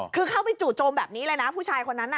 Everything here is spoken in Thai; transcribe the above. คือเข้าไปจู่โจมแบบนี้เลยนะผู้ชายคนนั้นน่ะ